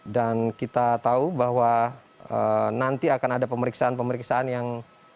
dan kita tahu bahwa nanti akan ada pemeriksaan pemeriksaan yang akan